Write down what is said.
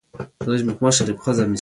خلک باید خپل مالیاتي اسناد وساتي.